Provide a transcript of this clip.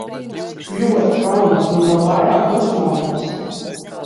Ļoti kaunos un vēl vairāk dusmojos!